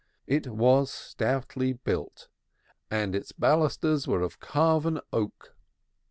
It was stoutly built and its balusters were of carved oak.